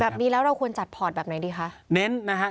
แบบนี้แล้วเราควรจัดพอร์ตแบบไหนเดียวคะ